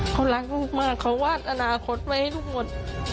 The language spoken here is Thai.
เขารักลูกมากเขาวาดอนาคตไว้ให้ลูกหมด